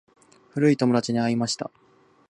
古い友達に会いました。